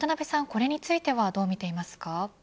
これについてはどうみていますか。